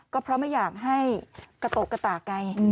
ก็เพราะไม่อยากให้กระโตกกระตากไง